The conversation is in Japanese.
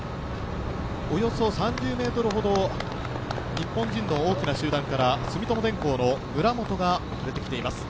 およそ３０ｍほど日本人の大きな集団から住友電工の村本が遅れてきています。